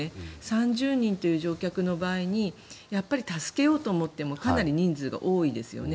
３０人という乗客の場合にやっぱり助けようと思ってもかなり人数が多いですよね。